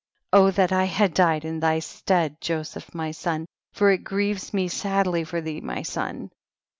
25. O that I had died in thy stead Joseph my son, for it grieves me sadly for thee my son.